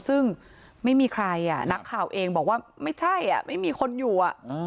ซึ่งไม่มีใครนักข่าวเองบอกว่าไม่ใช่ไม่มีคนอยู่